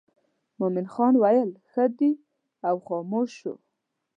مومن خان ویل ښه دی او خاموش شو.